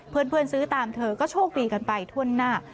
เพื่อนซื้อตามเธอก็โชคดีกันไปทั่วหน้า